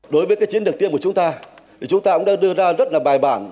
đối với cái chiến lược tiêm của chúng ta thì chúng ta cũng đã đưa ra rất là bài bản